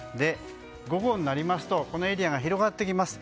午後になりますとこのエリアが広がってきます。